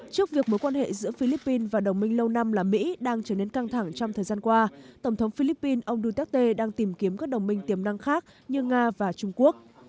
trước việc mối quan hệ giữa philippines và đồng minh lâu năm là mỹ đang trở nên căng thẳng trong thời gian qua tổng thống philippines ông duterte đang tìm kiếm các đồng minh tiềm năng khác như nga và trung quốc